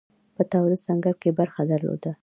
په تاوده سنګر کې برخه درلوده.